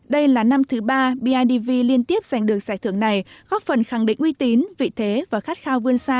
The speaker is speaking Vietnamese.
đây là năm thứ ba bidv liên tiếp giành được giải thưởng này góp phần khẳng định uy tín vị thế và khát khao vươn xa